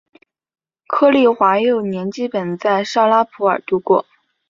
柯棣华幼年基本在绍拉普尔度过。